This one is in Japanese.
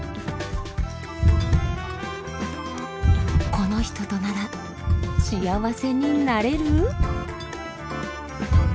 この人となら幸せになれる？